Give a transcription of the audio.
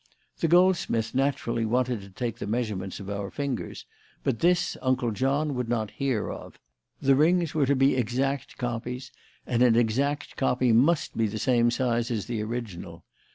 The goldsmith naturally wanted to take the measurements of our fingers, but this Uncle John would not hear of; the rings were to be exact copies, and an exact copy must be the same size as the original.